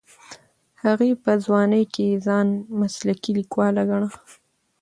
هغې په ځوانۍ کې ځان مسلکي لیکواله ګڼله.